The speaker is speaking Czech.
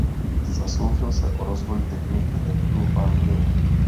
Zasloužil se o rozvoj techniky leptu v Anglii.